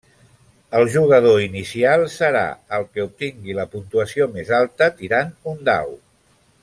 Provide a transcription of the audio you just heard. El jugador inicial serà el que obtingui la puntuació més alta tirant un dau.